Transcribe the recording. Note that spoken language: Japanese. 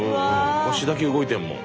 腰だけ動いてるもん。